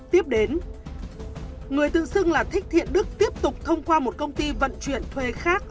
tiếp đến người tự xưng là thích thiện đức tiếp tục thông qua một công ty vận chuyển thuê khác